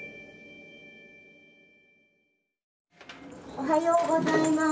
おはようございます。